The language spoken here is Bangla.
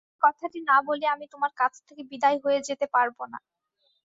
সেই কথাটি না বলে আমি তোমার কাছ থেকে বিদায় হয়ে যেতে পারব না।